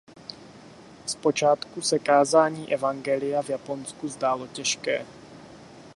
Zpočátku se kázání evangelia v Japonsku zdálo těžké.